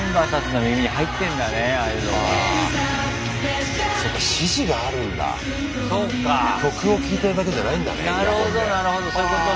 なるほどなるほどそういうことね。